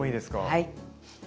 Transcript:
はい。